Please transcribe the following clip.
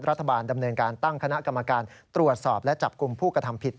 รัฐบาลดำเนินการตั้งคณะกรรมการตรวจสอบและจับกลุ่มผู้กระทำผิด